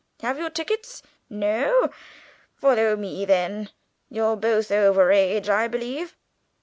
Have you tickets? No? follow me then. You're both over age, I believe.